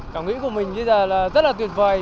cảm nghĩ của mình bây giờ là rất là tuyệt vời